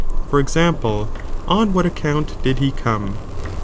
For example, on what ac count did he come